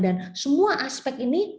dan semua aspek ini